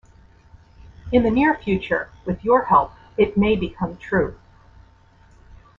In the near future, with your help, it may become true.